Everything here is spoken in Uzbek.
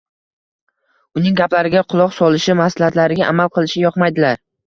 uning gaplariga quloq solishi, maslahatlariga amal qilishi yoqmaydilar.